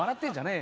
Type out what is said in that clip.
え？